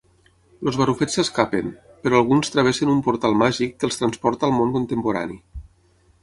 Els barrufets s'escapen, però alguns travessen un portal màgic que els transporta al món contemporani.